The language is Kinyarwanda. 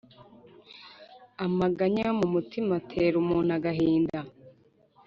amaganya yo mu mutima atera umuntu agahinda,